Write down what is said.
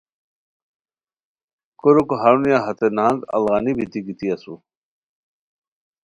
کوریکو ہرونیہ ہتے نہنگ اڑغانی بیتی گیتی اسور